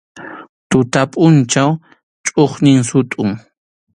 Tuta pʼunchaw chʼuqñin sutʼun.